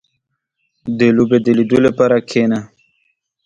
• د لوبې د لیدو لپاره کښېنه.